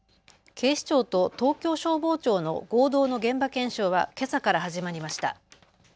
警視庁と東京消防庁の合同の現場検証はけさから始まりました。